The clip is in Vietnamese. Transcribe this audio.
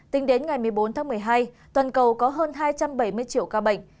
tính đến ngày một mươi bốn tháng một mươi hai toàn cầu có hơn hai trăm bảy mươi triệu ca bệnh